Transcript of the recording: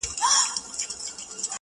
زه يې د ميني په چل څنگه پوه كړم.